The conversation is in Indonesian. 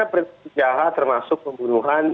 perintis jahat termasuk pembunuhan